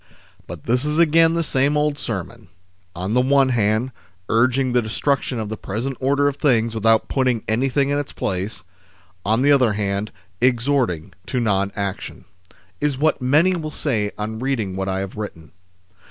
" BUT this is again the same old sermon : on the one hand, urging the destruction of the present order of things without putting anything in its place, on the other hand, exhorting to non action," is what many will say on reading what I have written.